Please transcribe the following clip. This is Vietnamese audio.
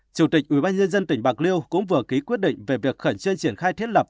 chủ tịch ubnd tỉnh bạc liêu cũng vừa ký quyết định về việc khẩn trương triển khai thiết lập